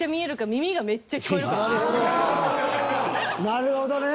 なるほどね。